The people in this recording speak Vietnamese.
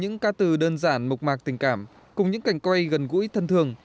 những ca từ đơn giản mộc mạc tình cảm cùng những cảnh quay gần gũi thân thường